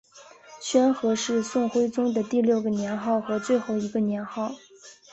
宣和是宋徽宗的第六个年号和最后一个年号。